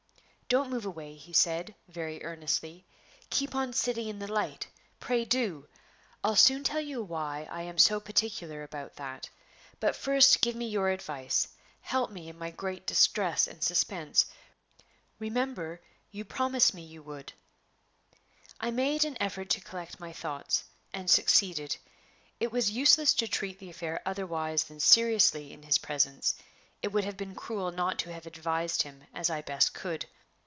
"Don't move away," he said, very earnestly; "keep on sitting in the light; pray do! I'll soon tell you why I am so particular about that. But first give me your advice; help me in my great distress and suspense. Remember, you promised me you would." I made an effort to collect my thoughts, and succeeded. It was useless to treat the affair otherwise than seriously in his presence; it would have been cruel not to have advised him as I best could.